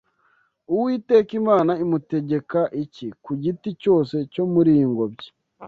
Uwiteka Imana imutegeka iti: ‘Ku giti cyose cyo muri iyi ngobyi